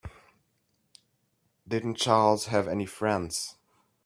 Didn't Charles have any friends?